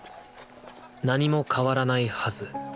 何も変わらないはず。